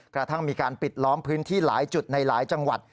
กระทั่งมีการปิดล้อมพื้นที่หลายจุดในหลายจังหวัด